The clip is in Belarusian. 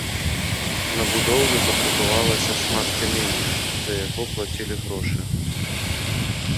На будоўлю патрабавалася шмат камення, за яго плацілі грошы.